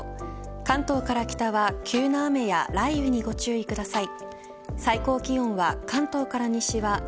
関東から北は急な雨や雷雨にご注意ください。